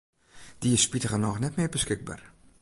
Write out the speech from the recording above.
Dy is spitigernôch net mear beskikber.